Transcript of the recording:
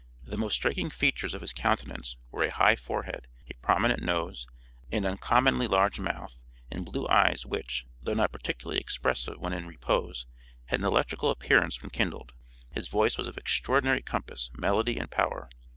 The most striking features of his countenance were a high forehead, a prominent nose, an uncommonly large mouth, and blue eyes which, though not particularly expressive when in repose, had an electrical appearance when kindled. His voice was one of extraordinary compass, melody and power.